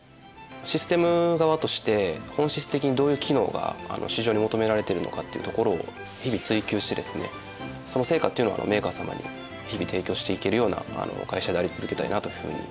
システム側として本質的にどういう機能が市場に求められているのかっていうところを日々追求してですねその成果っていうのをメーカー様に日々提供していけるような会社であり続けたいなというふうに考えております。